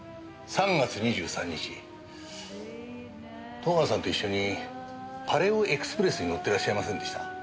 ３月２３日戸川さんと一緒にパレオエクスプレスに乗ってらっしゃいませんでした？